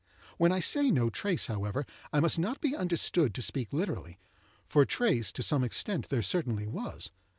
When I say no trace, however, I must not be understood to speak literally; for trace, to some extent, there certainly was.